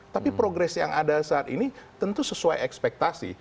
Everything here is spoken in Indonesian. tapi progres yang ada saat ini tentu sesuai ekspektasi